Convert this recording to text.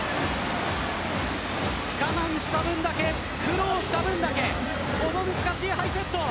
我慢した分だけ苦労した分だけこの難しいハイセット。